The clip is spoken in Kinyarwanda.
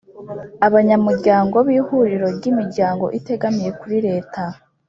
Abanyamuryango b’ Ihuriro ry’ Imiryango itegamiye kuri Leta